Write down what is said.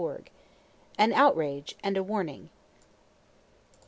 XIV. AN OUTRAGE AND A WARNING.